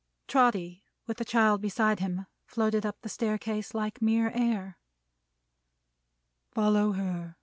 Trotty, with the child beside him, floated up the staircase like mere air. "Follow her!